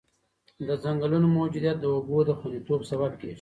د ځنګلونو موجودیت د اوبو د خونديتوب سبب کېږي.